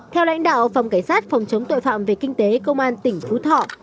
theo lãnh đạo phòng cảnh sát phòng chống tội phạm về kinh tế công an tỉnh phú thọ